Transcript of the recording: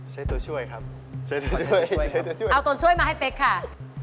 ใช้ตัวช่วยครับใช้ตัวช่วยเอาตัวช่วยมาให้เป๊กค่ะ